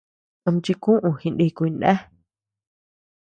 Ama chikuʼu jinikuy ndéa.